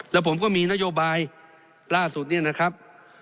แล้วผมก็มีนโยบายล่าสุดเนี่ยนะครับ